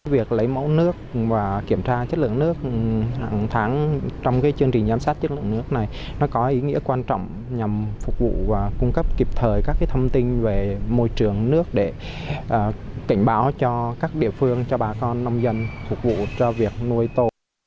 việc lấy mẫu nước và kiểm tra chất lượng nước hàng tháng trong chương trình giám sát chất lượng nước này có ý nghĩa quan trọng nhằm phục vụ và cung cấp kịp thời các thông tin về môi trường nước để cảnh báo cho các địa phương cho bà con nông dân phục vụ cho việc nuôi tô